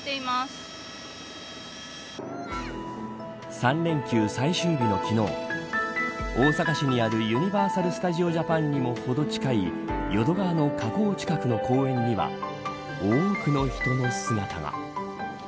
３連休最終日の昨日大阪市にあるユニバーサル・スタジオ・ジャパンにもほど近い淀川の河口近くの公園には多くの人の姿が。